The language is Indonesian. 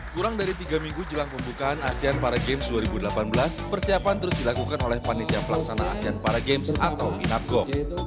kurang dari tiga minggu jelang pembukaan asean para games dua ribu delapan belas persiapan terus dilakukan oleh panitia pelaksana asean para games atau inapgok